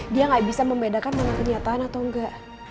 dia gak bisa membedakan mama kenyataan atau enggak